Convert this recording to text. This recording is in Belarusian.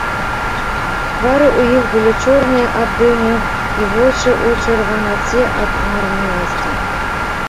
Твары ў іх былі чорныя ад дыму і вочы ў чырванаце ад змарнеласці.